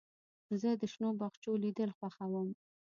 زه د شنو باغچو لیدل خوښوم.